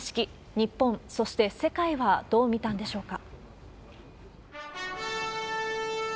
日本、そして世界はどう見たんでしょうか。